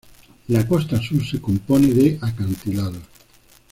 La costa sur se compone de acantilados.